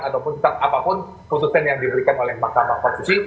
ataupun apapun keputusan yang diberikan oleh mahkamah konstitusi